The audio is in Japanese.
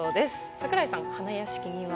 櫻井さん、花やしきには？